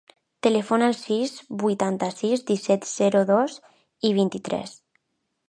Telefona al sis, vuitanta-sis, disset, zero, dos, vint-i-tres.